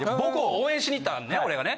応援しに行ったのね俺がね。